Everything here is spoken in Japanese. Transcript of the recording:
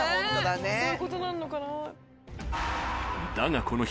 そういうことなのかな。